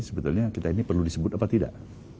sebetulnya kita ini perlu disebut apa tidak